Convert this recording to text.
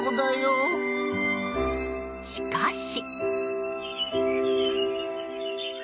しかし。